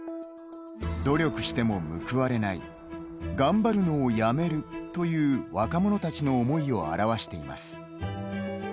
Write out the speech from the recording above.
「努力しても報われない」「頑張るのをやめる」という若者たちの思いを表しています。